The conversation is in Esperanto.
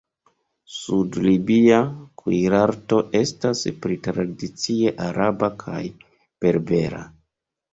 Sud-libia kuirarto estas pli tradicie araba kaj berbera.